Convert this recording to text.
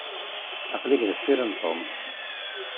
Aql-ik deffir n Tom.